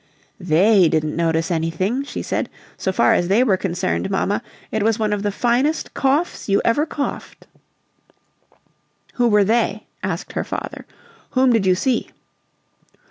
"THEY didn't notice anything," she said. "So far as they were concerned, mamma, it was one of the finest coughs you ever coughed." "Who were 'they'?" asked her father. "Whom did you see?"